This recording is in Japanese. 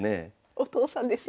お父さんですね。